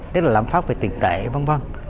tức là lãm phát về tiền